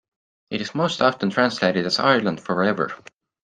It is most often translated as Ireland Forever.